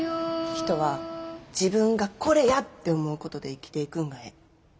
人は自分が「これや！」って思うことで生きていくんがええ。